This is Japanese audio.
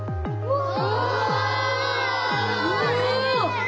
うわ！